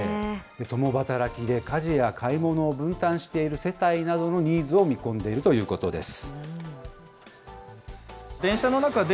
共働きで家事や買い物を分担している世帯などのニーズを見込んでいるということです。